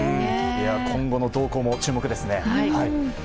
今後の動向にも注目ですね。